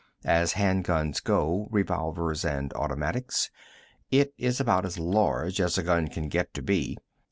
As hand guns go revolvers and automatics it is about as large as a gun can get to be.